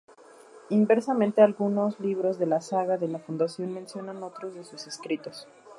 Inversamente, algunos libros de la saga de la Fundación mencionan otros de sus escritos.